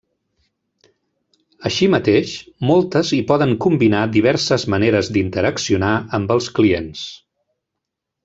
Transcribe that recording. Així mateix, moltes hi poden combinar diverses maneres d'interaccionar amb els clients.